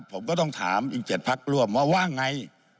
ผมก็ต้องถามอีก๗พักร่วมว่าว่าไง